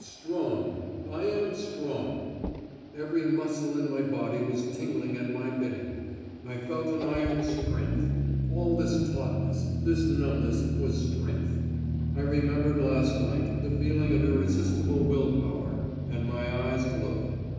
"Strong. I am strong." Every muscle in my body was tingling at my bidding. I felt an iron strength. All this tautness, this numbness, was strength. I remembered last night, the feeling of irresistible will power, and my eyes glowed.